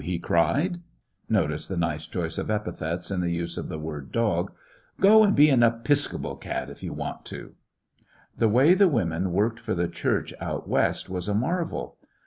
he cried^— notice the nice choice of epithets in the use of the word "dogj"— "go and be an Episcopal cat if you want to I " The way the women worked for the Church out "West was a marvel.